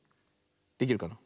できるかな。